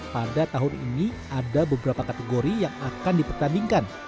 pada tahun ini ada beberapa kategori yang akan dipertandingkan